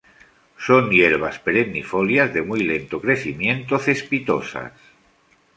Son hierbas perennifolias de muy lento crecimiento, cespitosas.